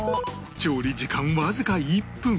調理時間わずか１分